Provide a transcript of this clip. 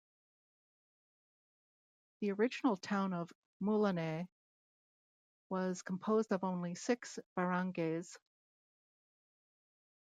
The original town of Mulanay was composed of only six barangays.